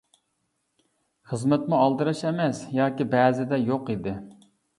خىزمەتمۇ ئالدىراش ئەمەس ياكى بەزىدە يوق ئىدى.